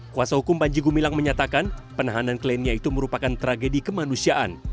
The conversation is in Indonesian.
kuasa hukum panjegu bilang menyatakan penahanan klaimnya itu merupakan tragedi kemanusiaan